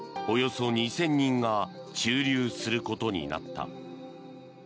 およそ２０００人が駐留することになった。